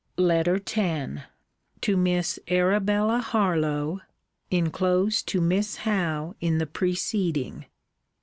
LETTER X TO MISS ARABELLA HARLOWE [ENCLOSED TO MISS HOWE IN THE PRECEDING.